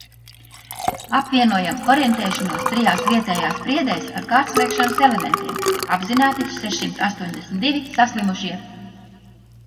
Apvienojam orientēšanos trijās vietējās priedēs ar kārtslēkšanas elementiem. Apzināti sešsimt astoņdesmit divi saslimušie.